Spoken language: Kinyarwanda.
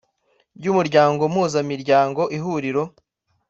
bw umuryango impuzamiryango ihuriro